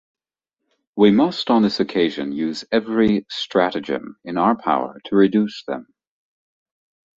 We must on this occasion use every stratagem in our power to reduce them.